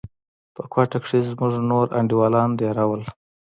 په کوټه کښې زموږ نور انډيوالان دېره وو.